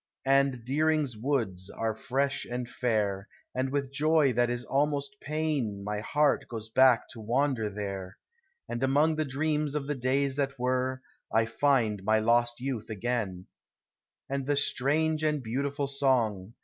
And Deering's Woods are fresh and fair, And with joy that is almost pain My heart goes back to wander there. And among the dreams of the days that were, I tiud in v lost vouth again. And the strange and beautiful song.